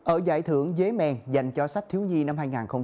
ở giải thưởng dế men dành cho sách thiếu nhi năm hai nghìn hai mươi một